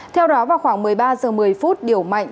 theo đó vào khoảng một mươi ba h một mươi điều mạnh